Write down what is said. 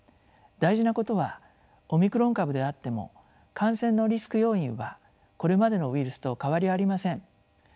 大事なことはオミクロン株であっても感染のリスク要因はこれまでのウイルスと変わりありません。